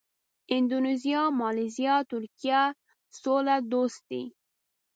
اندونیزیا، مالیزیا، ترکیه سوله دوست دي.